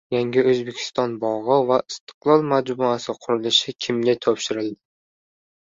«Yangi O‘zbekiston» bog‘i va «Istiqlol» majmuasi qurilishi kimga topshirildi?